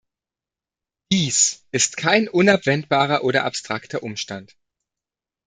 Dies ist kein unabwendbarer oder abstrakter Umstand.